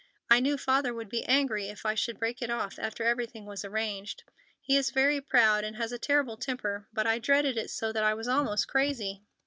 I knew Father would be angry if I should break it off after everything was arranged. He is very proud, and has a terrible temper. But I dreaded it so that I was almost crazy.